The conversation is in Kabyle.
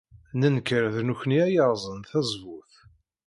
Nenkeṛ d nekkni ay yerẓan tazewwut.